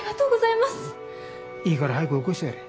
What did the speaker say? いいから早く起こしてやれ。